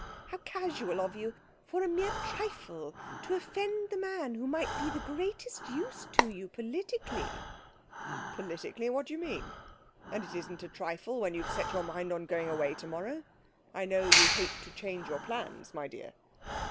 How casual of you! For a mere trifle to offend the man who might be of the greatest use to you politically.' 'Politically! What do you mean? And it isn't a trifle when you've set your mind on going away tomorrow. I know you hate to change your plans, my dear.'